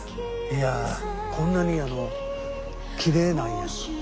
いやあこんなにきれいなんや。